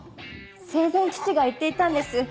生前父が言っていたんです。